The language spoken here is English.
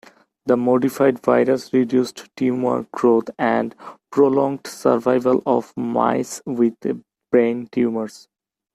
The modified virus reduced tumour growth and prolonged survival of mice with brain tumours.